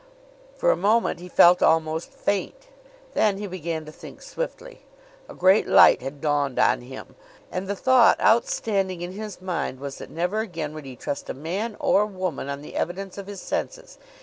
For a moment he felt almost faint. Then he began to think swiftly. A great light had dawned on him, and the thought outstanding in his mind was that never again would he trust a man or woman on the evidence of his senses.